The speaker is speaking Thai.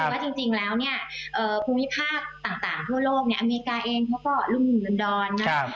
แล้วคือว่าจริงแล้วเนี่ยภูมิภาคต่างทั่วโลกเนี่ยอเมริกาเองเขาก็รุ่นรุ่นดอนนะ